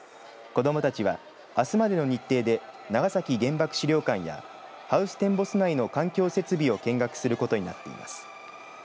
子どもたちは、あすまでの日程で長崎原爆資料館やハウステンボス内の環境設備を見学することになっています。